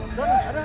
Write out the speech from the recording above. adakah pada lah